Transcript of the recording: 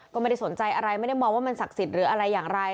ก็ไม่ได้สนใจอะไรไม่ได้มองว่ามันศักดิ์สิทธิ์หรืออะไรอย่างไร